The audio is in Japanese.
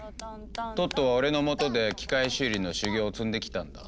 トットは俺の下で機械修理の修業を積んできたんだ。